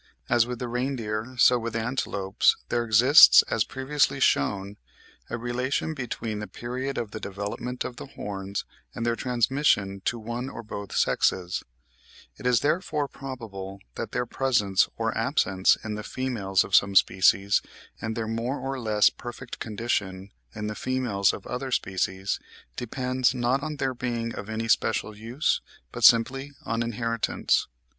As with the reindeer, so with antelopes, there exists, as previously shewn, a relation between the period of the development of the horns and their transmission to one or both sexes; it is therefore probable that their presence or absence in the females of some species, and their more or less perfect condition in the females of other species, depends, not on their being of any special use, but simply on inheritance.